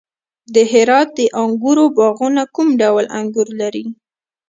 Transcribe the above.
د هرات د انګورو باغونه کوم ډول انګور لري؟